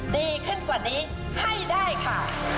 ดีขึ้นกว่านี้ให้ได้ค่ะ